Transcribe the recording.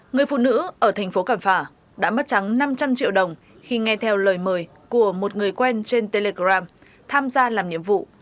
người phụ nữ ở thành phố cảm phả đã mất trắng năm trăm linh triệu đồng khi nghe theo lời mời của một người quen trên telegram tham gia làm nhiệm vụ